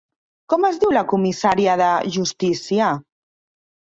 Com es diu la comissària de Justícia?